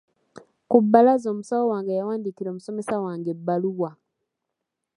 Ku bbalaza omusawo wange yawandiikira omusomesa wange ebbaluwa.